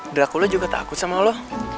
dracula juga takut sama lo